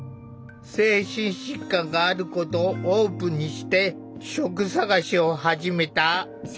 精神疾患があることをオープンにして職探しを始めた。